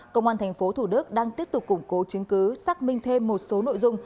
công an tp thủ đức đang tiếp tục củng cố chứng cứ xác minh thêm một số nội dung